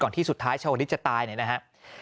ก่อนที่สุดท้ายชาวฤทธิ์จะตายนะฮะ